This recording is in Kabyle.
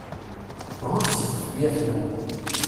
Huzzet tuyat-nwen.